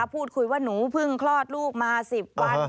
พูดคุยว่าหนูเพิ่งคลอดลูกมา๑๐วัน